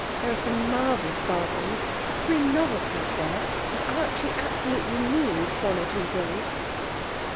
There are some marvellous bargains spring novelties there, and Archie absolutely needs one or two things.'